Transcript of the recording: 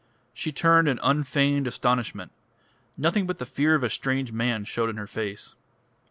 She turned in unfeigned astonishment. Nothing but the fear of a strange man showed in her face.